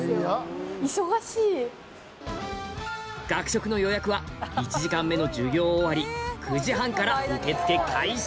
学食の予約は１時間目の授業終わり９時半から受け付け開始